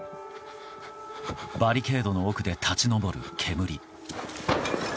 バリケードの奥で立ち上る煙。